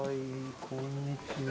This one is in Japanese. こんにちは。